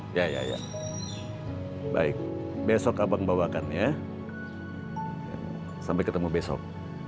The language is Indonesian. ya ya ya ya ya ya ya baik besok abang bawakan ya sampai ketemu besok